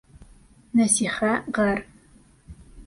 Нәсихә ғәр.